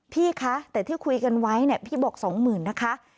พี่คะแต่ที่คุยกันไว้พี่บอกสองหมื่นนะคะ